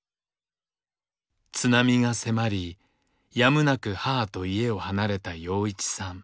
津波が迫りやむなく母と家を離れた陽一さん。